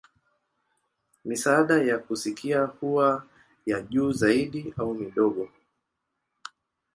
Misaada ya kusikia huwa ya juu zaidi au midogo.